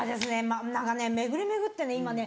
何かね巡り巡って今ね